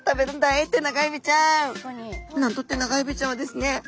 なんとテナガエビちゃんはですね